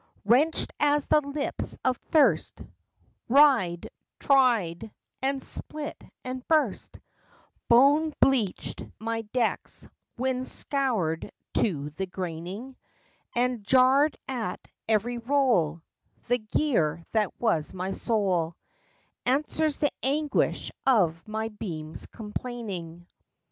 Wrenched as the lips of thirst, Wried, dried, and split and burst, Bone bleached my decks, wind scoured to the graining; And, jarred at every roll, The gear that was my soul Answers the anguish of my beams' complaining.